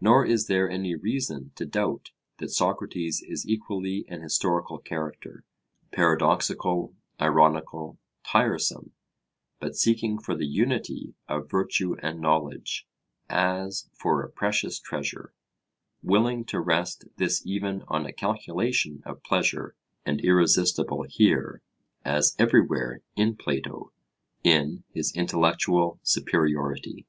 Nor is there any reason to doubt that Socrates is equally an historical character, paradoxical, ironical, tiresome, but seeking for the unity of virtue and knowledge as for a precious treasure; willing to rest this even on a calculation of pleasure, and irresistible here, as everywhere in Plato, in his intellectual superiority.